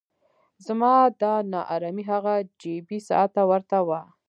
زما دا نا ارامي هغه جیبي ساعت ته ورته وه.